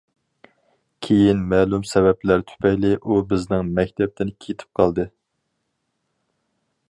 كېيىن مەلۇم سەۋەبلەر تۈپەيلى ئۇ بىزنىڭ مەكتەپتىن كېتىپ قالدى.